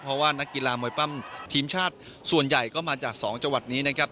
เพราะว่านักกีฬามวยปั้มทีมชาติส่วนใหญ่ก็มาจาก๒จังหวัดนี้นะครับ